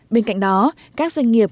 bên cạnh đó các doanh nghiệp